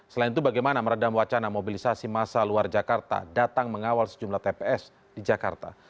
selain itu bagaimana meredam wacana mobilisasi masa luar jakarta datang mengawal sejumlah tps di jakarta